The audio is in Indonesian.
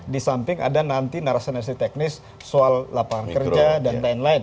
di samping ada nanti narasi narasi teknis soal lapangan kerja dan lain lain